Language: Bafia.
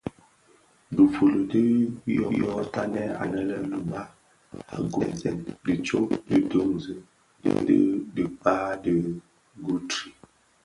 Difuli dü dyotanè anë lè luba gubsèn dhi tsog ki dunzi bi dhikpää di Guthrie.